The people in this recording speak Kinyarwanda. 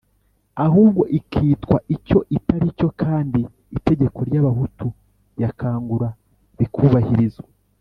ahubwo ikitwa icyo itari cyo kandi itegeko ry’abahutu ya kangura bikubahirizwa.